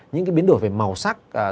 những cái biến đổi về màu sắc